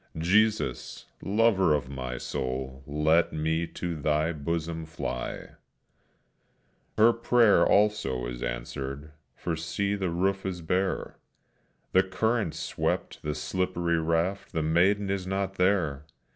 "Jesus, lover of my soul, Let me to Thy bosom fly," etc. Her prayer, also, is answered, for see, the roof is bare! The current swept the slippery raft, the maiden is not there!